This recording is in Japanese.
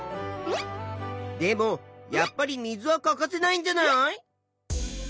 でもやっぱり水は欠かせないんじゃない？